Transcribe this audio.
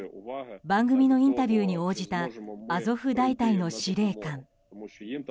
番組のインタビューに応じたアゾフ大隊の司令官。